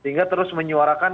sehingga terus menyuarakan